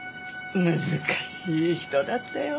難しい人だったよ。